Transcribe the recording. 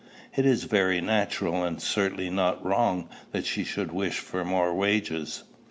"It is very natural, and certainly not wrong, that she should wish for more wages."